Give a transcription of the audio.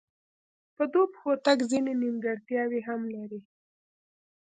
په دوو پښو تګ ځینې نیمګړتیاوې هم لري.